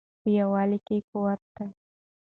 په یووالي کې قوت دی.